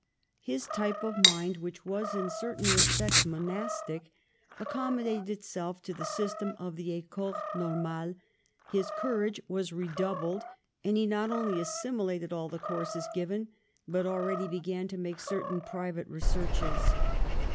His type of mind, which was in certain respects monastic, accommodated itself to the system of the Ecole Normale ; his courage was redoub led, and he not only assimilated all the courses given, but already began to make certain pri vate researches.